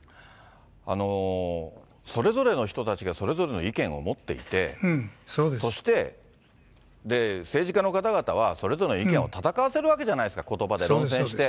それぞれの人たちがそれぞれの意見を持っていて、そして政治家の方々はそれぞれの意見を戦わせるわけじゃないですか、ことばで、論戦して。